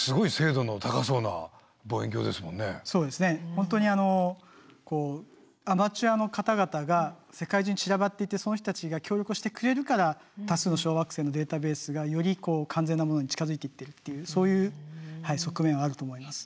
本当にこうアマチュアの方々が世界中に散らばっていてその人たちが協力してくれるから多数の小惑星のデータベースがより完全なものに近づいていってるっていうそういう側面はあると思います。